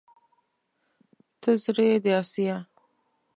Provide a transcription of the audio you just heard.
ته زړه يې د اسيا